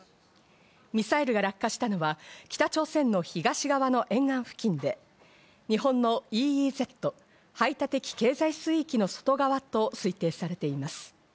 ミサイルが落下したのは北朝鮮の東側の沿岸付近で日本のＥＥＺ＝排他的経済水域の外側と推定されています。